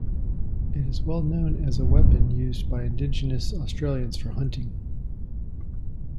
It is well known as a weapon used by Indigenous Australians for hunting.